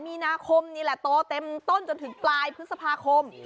มีนาคมนี่แหละโตเต็มต้นจนถึงปลายพฤษภาคม